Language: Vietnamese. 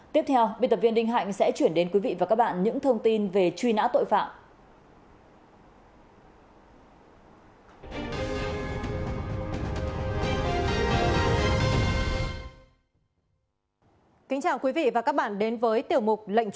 tiếp theo biên tập viên đinh hạnh sẽ chuyển đến quý vị và các bạn những thông tin về truy nã tội phạm